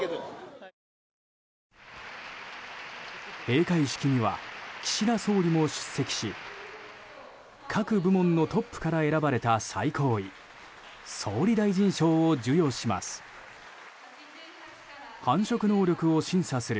閉会式には岸田総理も出席し各部門のトップから選ばれた最高位・総理大臣賞を授与します。